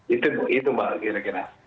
itu mbak kira kira